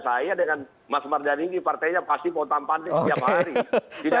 saya dengan mas mardani ini partainya pasti pontang panting setiap hari